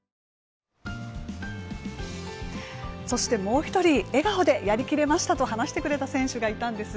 そしてもう１人で笑顔でやりきれましたと話してくれた選手がいたんです。